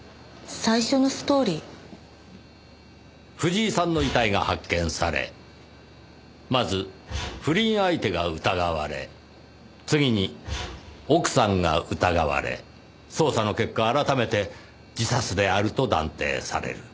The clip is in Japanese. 藤井さんの遺体が発見されまず不倫相手が疑われ次に奥さんが疑われ捜査の結果改めて自殺であると断定される。